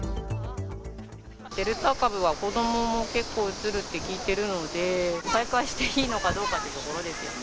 デルタ株は子どもも結構うつるって聞いてるので、再開していいのかどうかというところですよね。